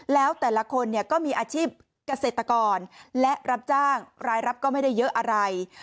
แล้วแต่ละคนเนี่ยก็มีอาชีพเกษตรกรและรับจ้างรายรับก็ไม่ได้เยอะอะไร